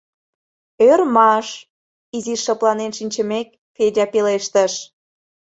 — Ӧрмаш! — изиш шыпланен шинчымек, Федя пелештыш.